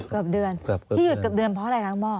เกือบเดือนที่หยุดเกือบเดือนเพราะอะไรคะคุณพ่อ